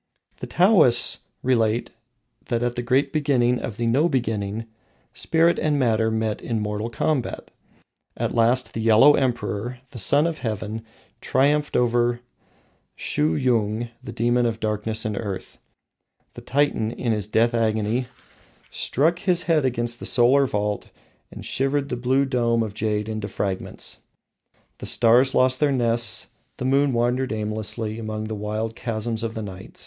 The Taoists relate that at the great beginning of the No Beginning, Spirit and Matter met in mortal combat. At last the Yellow Emperor, the Sun of Heaven, triumphed over Shuhyung, the demon of darkness and earth. The Titan, in his death agony, struck his head against the solar vault and shivered the blue dome of jade into fragments. The stars lost their nests, the moon wandered aimlessly among the wild chasms of the night.